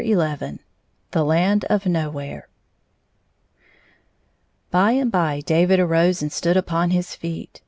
Xf I XI The Land of Nowhere BY and by David arose and stood upon his feet.